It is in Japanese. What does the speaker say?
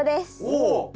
おお！